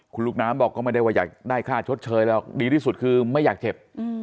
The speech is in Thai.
คุณลูกน้ำบอกก็ไม่ได้ว่าอยากได้ค่าชดเชยหรอกดีที่สุดคือไม่อยากเจ็บ